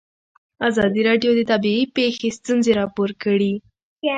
ازادي راډیو د طبیعي پېښې ستونزې راپور کړي.